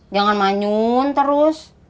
jangan manyun terus